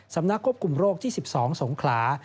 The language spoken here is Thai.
สำนักควบคุมโรคที่๑๒สงขลา